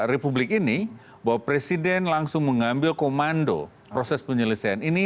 republik ini bahwa presiden langsung mengambil komando proses penyelesaian ini